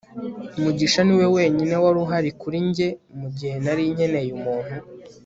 mugisha niwe wenyine wari uhari kuri njye mugihe nari nkeneye umuntu